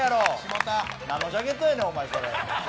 何のジャケットやねんお前、それ。